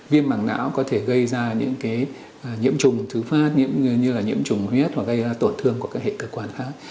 viêm mảng não có thể gây ra những nhiễm trùng thứ phát như là nhiễm trùng huyết hoặc gây ra tổn thương của các hệ cơ quan khác